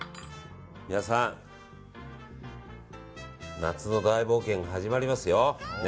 皆さん夏の大冒険が始まりますよ。